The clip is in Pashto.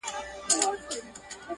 ځاى جوړاوه.